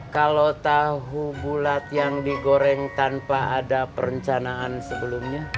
kalau tahu bulat yang digoreng tanpa ada perencanaan sebelumnya